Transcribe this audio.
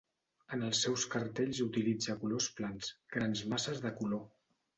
En els seus cartells utilitza colors plans, grans masses de color.